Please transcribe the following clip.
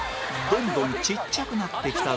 どんどんちっちゃくなってきたぞ